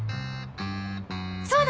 そうだ！